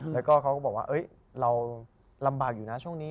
แล้วก็เขาก็บอกว่าเราลำบากอยู่นะช่วงนี้